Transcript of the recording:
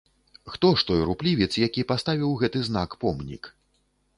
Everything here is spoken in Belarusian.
Хто ж той руплівец, які паставіў гэты знак-помнік?